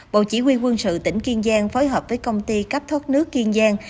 bộ chỉ huy quân sự tỉnh kiên giang phối hợp với công ty cấp thoát nước kiên giang